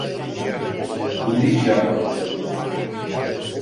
Bunu hiç yapmadım.